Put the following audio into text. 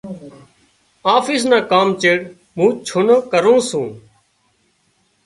آفيس نا ڪام چيڙ مُون ڇُٽُو ڪرُون سُون۔